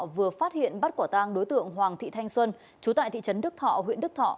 vừa phát hiện bắt quả tang đối tượng hoàng thị thanh xuân chú tại thị trấn đức thọ huyện đức thọ